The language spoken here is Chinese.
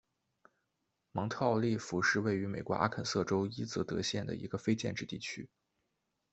芒特奥利夫是位于美国阿肯色州伊泽德县的一个非建制地区。